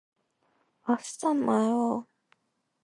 아시잖아요.